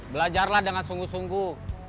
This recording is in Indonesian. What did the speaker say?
belajarlah dengan sungguh sungguh